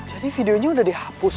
jadi videonya udah dihapus